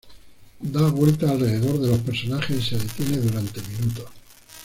Da vueltas alrededor de los personajes y se detiene durante minutos.